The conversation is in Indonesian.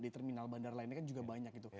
di terminal bandar lainnya kan juga banyak gitu